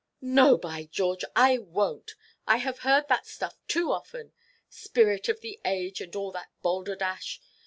"No—by—George I wonʼt. I have heard that stuff too often. Spirit of the age, and all that balderdash.